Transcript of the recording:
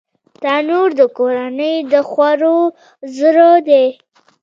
تنور د کورنۍ د خوړو زړه دی